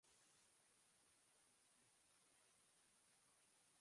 If fine weather is wanted, the victim must be white.